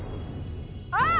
あっ！